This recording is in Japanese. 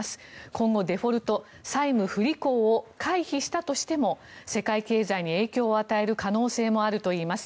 今後デフォルト、債務不履行を回避したとしても世界経済に影響を与える可能性もあるといいます。